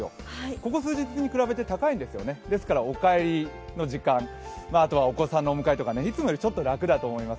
ここ数日に比べて、高いんですよねですからお帰りの時間、あとはお子さんのお迎えとかいつもよりちょっと楽だと思います。